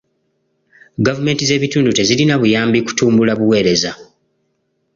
Gavumenti z'ebitundu tezirina buyambi kutumbula buweereza.